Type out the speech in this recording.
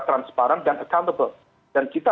transparan dan accountable dan kita